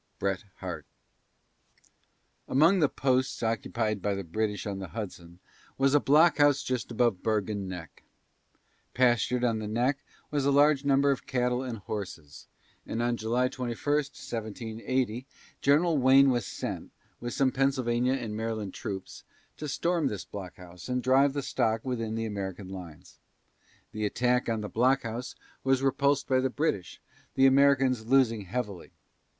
BRET HARTE. Among the posts occupied by the British on the Hudson was a blockhouse just above Bergen Neck. Pastured on the neck was a large number of cattle and horses, and on July 21, 1780, General Wayne was sent, with some Pennsylvania and Maryland troops, to storm this blockhouse and drive the stock within the American lines. The attack on the blockhouse was repulsed by the British, the Americans losing heavily.